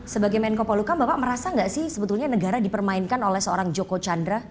sebagai menko poluka bapak merasa nggak sih sebetulnya negara dipermainkan oleh seorang joko chandra